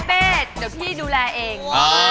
ไม่เป็นไรเป๊ดเดี๋ยวพี่ดูแลเอง